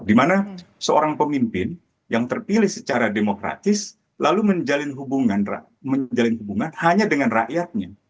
dimana seorang pemimpin yang terpilih secara demokratis lalu menjalin hubungan hanya dengan rakyatnya